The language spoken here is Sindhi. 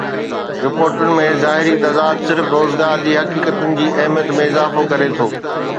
رپورٽن ۾ ظاهري تضاد صرف روزگار جي حقيقتن جي اهميت ۾ اضافو ڪري ٿو